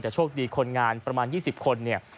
แต่โชคดีคนงานประมาณ๒๐คนเนี่ย